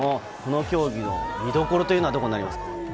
この競技の見どころはどこになりますか？